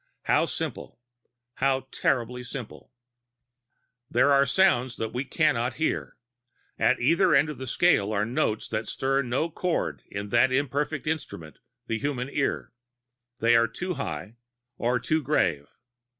How simple how terribly simple! "There are sounds that we can not hear. At either end of the scale are notes that stir no chord of that imperfect instrument, the human ear. They are too high or too grave.